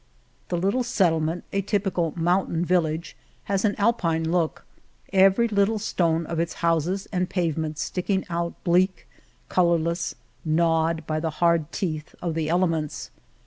The little settlement — a typical mountain village — has an Alpine look, every little stone of its houses and pavements sticking out, bleak, colorless, gnawed by the hard teeth of the elements.